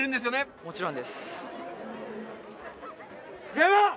もちろんです。